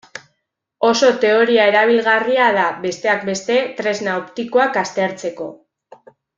Oso teoria erabilgarria da, besteak beste, tresna optikoak aztertzeko.